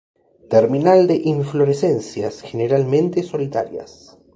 Terminal de inflorescencias, generalmente solitarias.